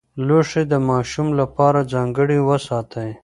لوښي د ماشوم لپاره ځانګړي وساتئ.